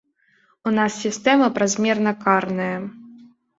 У нас сістэма празмерна карная.